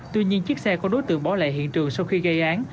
tuy nhiên chiếc xe của đối tượng bỏ lại hiện trường sau khi gây án